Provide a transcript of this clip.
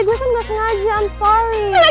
gue kan gak sengaja i'm sorry